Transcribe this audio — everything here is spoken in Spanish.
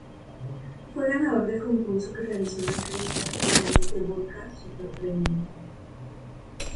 Fue ganador del concurso que realizó la revista de clases de vodka super premium.